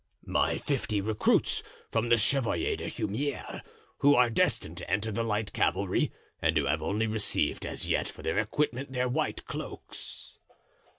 "My fifty recruits from the Chevalier d'Humieres, who are destined to enter the light cavalry and who have only received as yet for their equipment their white cloaks."